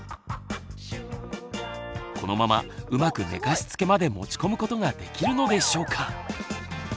このままうまく寝かしつけまで持ち込むことができるのでしょうか？